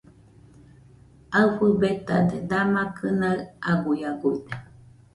Aɨfɨ betade, dama kɨnaɨ aguiaguide.